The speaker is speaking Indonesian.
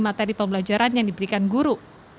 materi pembelajaran yang diberikan guru